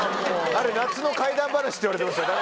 あれ夏の怪談話っていわれてますよ。